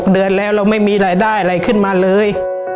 เดือนแล้วเราไม่มีรายได้อะไรขึ้นมาเลย